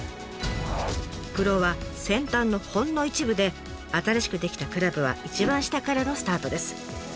プロは先端のほんの一部で新しく出来たクラブは一番下からのスタートです。